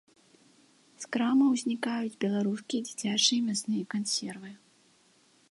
З крамаў знікаюць беларускія дзіцячыя мясныя кансервы.